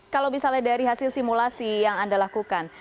kalau misalnya dari hasil simulasi yang anda lakukan